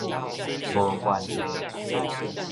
無關係